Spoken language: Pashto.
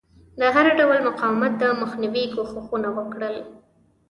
د هر ډول مقاومت د مخنیوي کوښښونه وکړل.